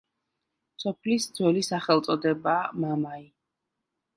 სოფლის ძველი სახელწოდებაა მამაი.